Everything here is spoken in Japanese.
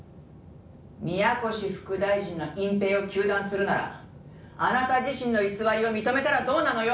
「宮越副大臣の隠蔽を糾弾するならあなた自身の偽りを認めたらどうなのよ！」